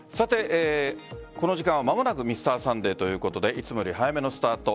この時間「まもなくＭｒ．サンデー」ということでいつもより早めのスタート。